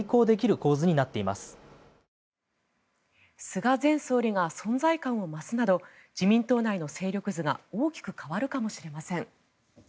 菅前総理が存在感を増すなど自民党内の勢力図が大きく変わるかもしれません。